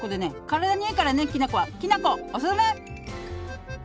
体にいいからねきな粉はきな粉オススメ！